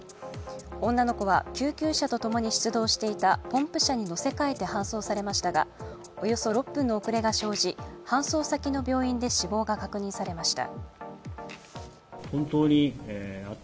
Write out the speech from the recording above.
女の子は救急車と共に出動していたポンプ車に乗せかえて搬送されましたがおよそ６分の遅れが生じ搬送先の病院で死亡が確認されました。